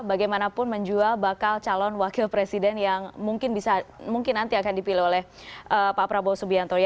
bagaimanapun menjual bakal calon wakil presiden yang mungkin bisa mungkin nanti akan dipilih oleh pak prabowo subianto